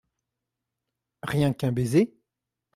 Rien qu’un baiser ?